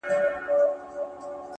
هلته د ژوند تر آخري سرحده ـ